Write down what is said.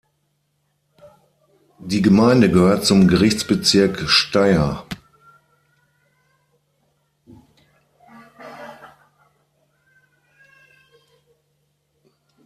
Die Gemeinde gehört zum Gerichtsbezirk Steyr.